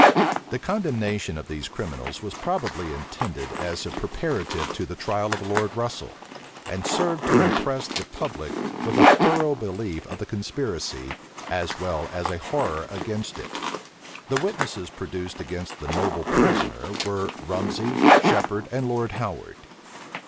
The condemnation of these criminals was probably intended as a preparative to the trial of Lord Russel, and served to impress the public with a thorough belief of the conspiracy, as well as a horror against it. The witnesses produced against the noble prisoner were Rumsey, Shephard, and Lord Howard.